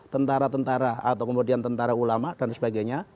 tentara tentara atau kemudian tentara ulama dan sebagainya